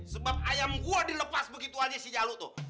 sebab ayam gue dilepas begitu aja si jalut tuh